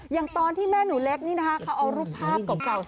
อย่างตอนที่แม่หนูเล็กนี่นะคะเขาเอารูปภาพเก่า